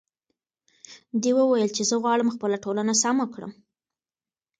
دې وویل چې زه غواړم خپله ټولنه سمه کړم.